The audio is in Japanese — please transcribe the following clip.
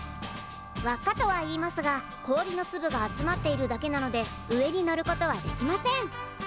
輪っかとは言いますが氷のつぶが集まっているだけなので上に乗ることはできません。